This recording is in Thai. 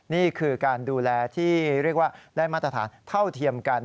นี่คือการดูแลที่เรียกว่าได้มาตรฐานเท่าเทียมกัน